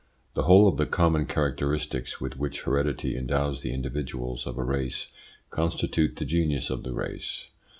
The whole of the common characteristics with which heredity endows the individuals of a race constitute the genius of the race.